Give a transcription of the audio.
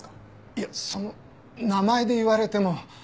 いやその名前で言われても。